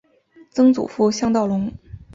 曾祖父向道隆。